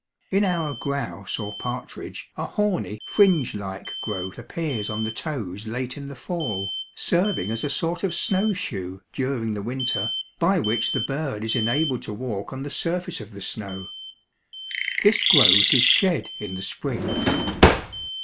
In our grouse or partridge a horny, fringe like growth appears on the toes late in the fall, serving as a sort of snowshoe during the winter, by which the bird is enabled to walk on the surface of the snow. This growth is shed in the spring.